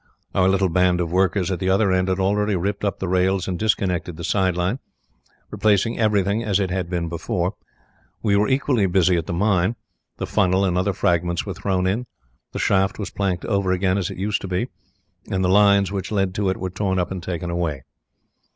Our little band of workers at the other end had already ripped up the rails and disconnected the side line, replacing everything as it had been before. We were equally busy at the mine. The funnel and other fragments were thrown in, the shaft was planked over as it used to be, and the lines which led to it were torn up and taken away.